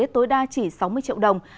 tối đa chỉ sáu mươi triệu đồng